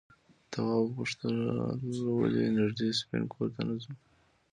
تواب وپوښتل ولې نږدې سپین کور ته نه ځو؟